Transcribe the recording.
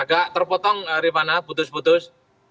agak terpotong rifana putus putus